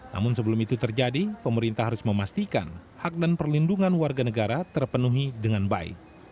namun sebelum itu terjadi pemerintah harus memastikan hak dan perlindungan warga negara terpenuhi dengan baik